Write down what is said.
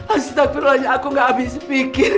astagranya aku gak habis pikir